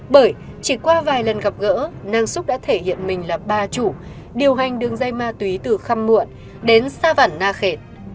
bởi chỉ qua vài lần gặp gỡ nang xúc đã thể hiện mình là ba chủ điều hành đường dây ma túy từ khăm muộn đến sa văn na khệt